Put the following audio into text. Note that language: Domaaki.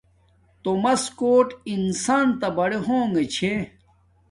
تومس کوٹ انسان تا بڑے ہونگے چھے